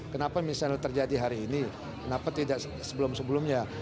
kenapa misalnya terjadi hari ini kenapa tidak sebelum sebelumnya